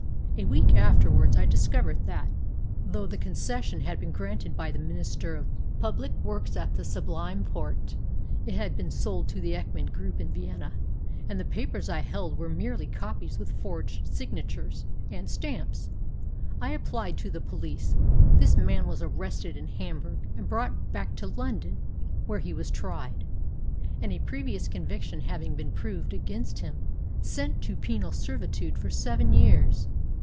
A week afterwards I discovered that, though the concession had been granted by the Minister of Public Works at the Sublime Porte, it had been sold to the Eckmann Group in Vienna, and that the papers I held were merely copies with forged signatures and stamps. I applied to the police, this man was arrested in Hamburg, and brought back to London, where he was tried, and, a previous conviction having been proved against him, sent to penal servitude for seven years.